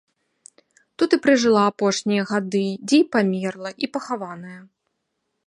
Тут і пражыла апошнія гады, дзе і памерла, і пахаваная.